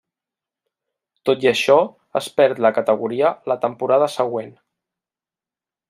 Tot i això, es perd la categoria la temporada següent.